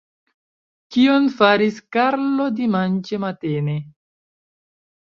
Kion faris Karlo dimanĉe matene?